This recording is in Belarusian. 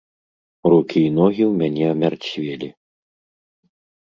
Рукі і ногі ў мяне амярцвелі.